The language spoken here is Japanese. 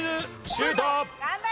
シュート！